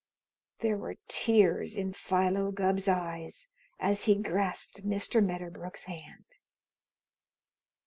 There were tears in Philo Gubb's eyes as he grasped Mr. Medderbrook's hand.